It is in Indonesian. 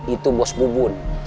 itu bos bubun